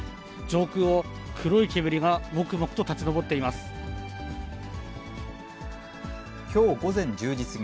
上空を黒い煙がもくもくと立ち上っています。